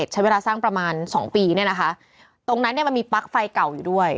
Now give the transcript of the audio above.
ใช้เวลาสร้างประมาณสองปีเนี่ยนะคะตรงนั้นเนี่ยมันมีปลั๊กไฟเก่าอยู่ด้วย